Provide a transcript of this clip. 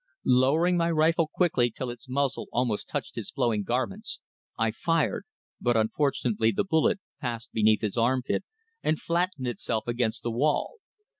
Lowering my rifle quickly till its muzzle almost touched his flowing garments, I fired, but unfortunately the bullet passed beneath his arm pit, and flattened itself against the wall.